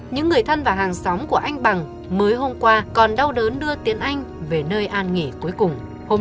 những người thân và hàng xóm của anh bằng mới hôm qua còn đau đớn đưa tiếng anh về nơi an nghỉ cuối cùng